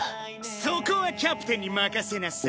そこはキャプテンに任せなさい。